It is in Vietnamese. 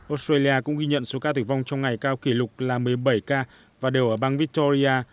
australia cũng ghi nhận số ca tử vong trong ngày cao kỷ lục là một mươi bảy ca và đều ở bang victoria